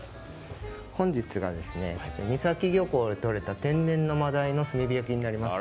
本日が三崎漁港でとれた天然のマダイの炭火焼きです。